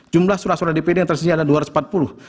jumlah surat suara dpd yang tersisa ada dua ratus empat puluh